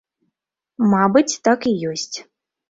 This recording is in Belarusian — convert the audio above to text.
Мабыць, так і ёсць.